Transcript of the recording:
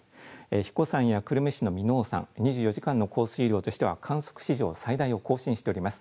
英彦山や久留米市の耳納山、２４時間の降水量としては、観測史上最大を更新しております。